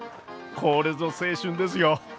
これぞ青春ですよ！